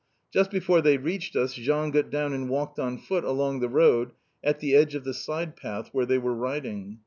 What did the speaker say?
Just before they reached us Jean got down and walked on foot along the road at the edge of the side path where they were riding.